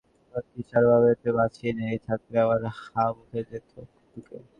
ভাগ্যিস আরব আমিরাতে মাছি নেই, থাকলে আমার হাঁ মুখে যেত ঢুকে।